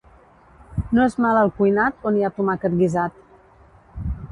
No és mal el cuinat on hi ha tomàquet guisat.